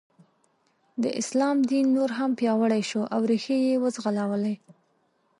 د اسلام دین نور هم پیاوړی شو او ریښې یې وځغلولې.